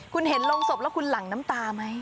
คุณเห็นโรงศพแล้วคุณหลั่งน้ำตาไหม